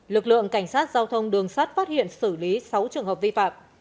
lực lượng cảnh sát giao thông đường sát phát hiện xử lý sáu trường hợp vi phạm